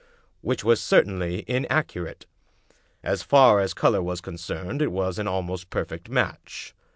" Which was certahily inaccurate. As far as color was concerned it was an almost perfect match.